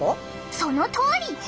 そのとおり！